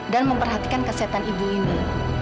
dan memperhatikan kesehatan ibu ini